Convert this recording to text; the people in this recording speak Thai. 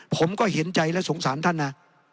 ผมก็เห็นใจและสงสารท่านนะ